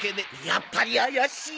やっぱり怪しい！